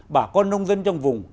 bà con nông dân trong vùng